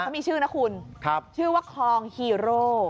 เขามีชื่อนะคุณชื่อว่าคลองฮีโร่